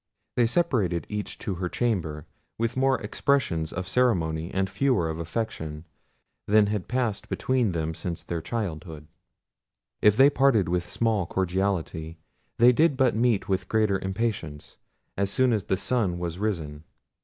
They separated each to her chamber, with more expressions of ceremony and fewer of affection than had passed between them since their childhood. If they parted with small cordiality, they did but meet with greater impatience, as soon as the sun was risen.